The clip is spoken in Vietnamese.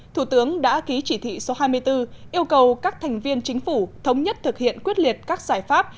thủ tướng đã ký chỉ thị số hai mươi bốn yêu cầu các thành viên chính phủ thống nhất thực hiện quyết liệt các giải pháp